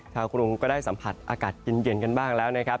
กรุงก็ได้สัมผัสอากาศเย็นกันบ้างแล้วนะครับ